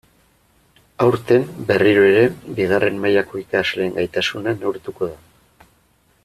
Aurten, berriro ere, bigarren mailako ikasleen gaitasuna neurtuko da.